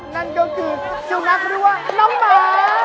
นั่นก็คือสุนัขหรือว่าน้องหมา